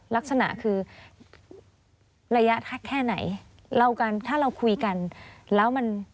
ลักษณะคือระยะแค่ไหนเรากันถ้าเราคุยกันแล้วมัน